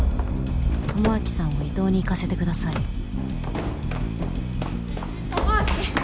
智明さんを伊東に行かせてください智明！